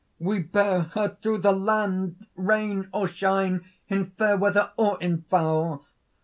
"We bear her through the land, rain or shine, in fair weather, or in foul.